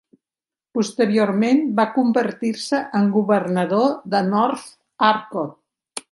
Posteriorment va convertir-se en Governador de North Arcot.